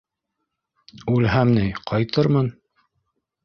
Үлмәһәм ней... ҡайтырмын...